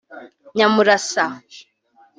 Nyamurasa